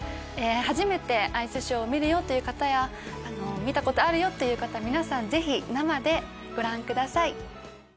初めてアイスショーを見るよという方や見たことあるよという方皆さんぜひ生でご覧ください